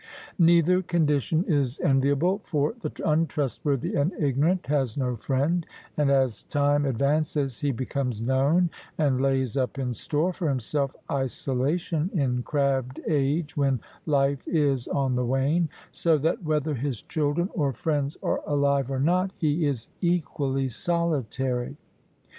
Neither condition is enviable, for the untrustworthy and ignorant has no friend, and as time advances he becomes known, and lays up in store for himself isolation in crabbed age when life is on the wane: so that, whether his children or friends are alive or not, he is equally solitary.